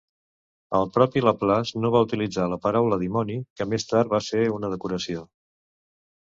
El propi Laplace no va utilitzar la paraula "dimoni", que més tard va ser una decoració.